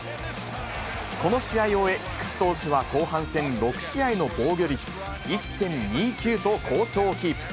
この試合を終え、菊池投手は後半戦６試合の防御率１．２９と好調をキープ。